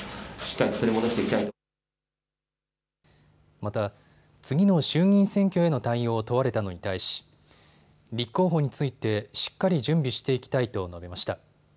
また次の衆議院選挙への対応を問われたのに対し立候補についてしっかり準備していきたいと述べました。